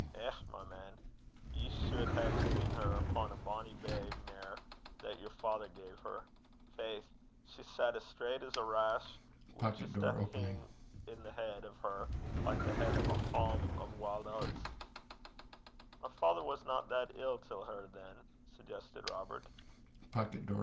'Eh, my man! ye suld hae seen her upon a bonnie bay mere that yer father gae her. Faith! she sat as straught as a rash, wi' jist a hing i' the heid o' her, like the heid o' a halm o' wild aits.' 'My father wasna that ill till her than?' suggested Robert.